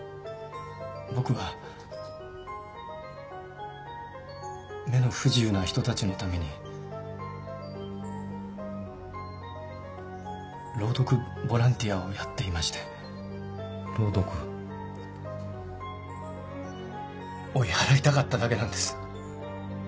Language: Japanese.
僕は目の不自由な人たちのために朗読ボランティアをやっていまして追い払いたかっただけなんです